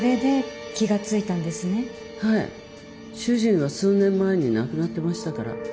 主人は数年前に亡くなってましたから。